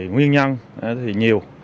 nguyên nhân thì nhiều